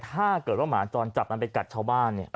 ถ้าเกิดว่าหมาจรจัดไปกัดชาวบ้าน